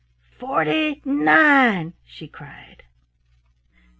"FORTY NINE!" she cried.